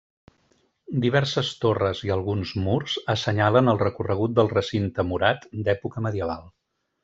Diverses torres i alguns murs assenyalen el recorregut del recinte murat d'època medieval.